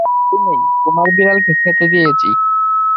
ভয় নেই, তোমার বিড়ালকে খেতে দিয়েছি।